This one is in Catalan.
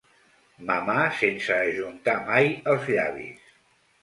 Mamar sense ajuntar mai els llavis.